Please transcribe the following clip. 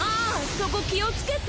そこ気をつけて！